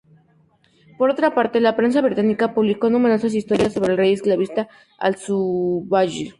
Por otra parte, la prensa británica publicó numerosas historias sobre "El rey esclavista" Al-Zubayr.